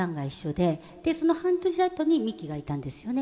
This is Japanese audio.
でその半年あとにミキがいたんですよね。